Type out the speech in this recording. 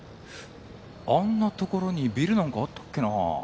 あんなところにビルなんかあったっけなぁ？